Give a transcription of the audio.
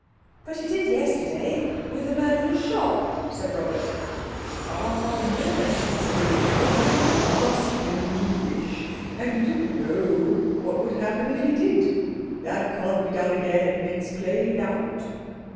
"But it did yesterday—with the man in the shop," said Robert. "Ah yes," said the creature, "but you didn't ask him to wish, and you didn't know what would happen if he did. That can't be done again. It's played out."